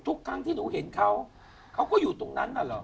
ทุกครั้งที่หนูเห็นเขาเขาก็อยู่ตรงนั้นน่ะเหรอ